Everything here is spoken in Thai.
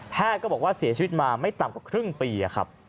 ก็บอกว่าเสียชีวิตมาไม่ต่ำกว่าครึ่งปีครับ